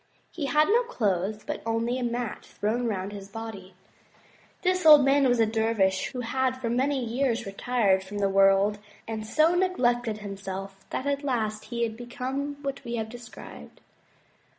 He had no clothes but only a mat thrown round his body. This old man was a dervish who had for many years retired from the world, and so neglected himself that at last he had become what we have described.